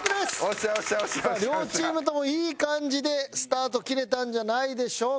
さあ両チームともいい感じでスタート切れたんじゃないでしょうか？